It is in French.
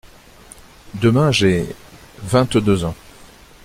Demain, j’ai… vingt-deux ans.